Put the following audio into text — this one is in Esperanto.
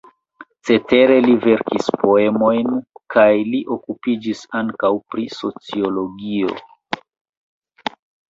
Cetere li verkis poemojn kaj li okupiĝis ankaŭ pri sociologio.